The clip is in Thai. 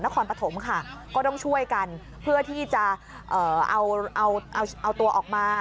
ก็ต้องช่วยกันเพื่อที่จะเอาตัวออกมา